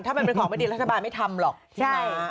ถ้ามันเป็นของไม่ดีรัฐบาลไม่ทำหรอกใช่ไหม